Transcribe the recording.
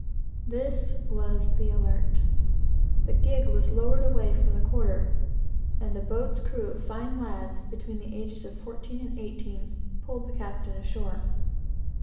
Then the captain's gig was lowered away from the quarter, and a boat's crew of fine lads, between the ages of fourteen and eighteen, pulled the captain ashore.